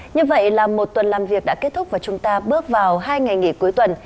như vậy là một tuần làm việc đã kết thúc và chúng ta bước vào hai ngày nghỉ cuối tuần